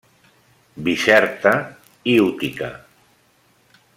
Bizerta i Útica.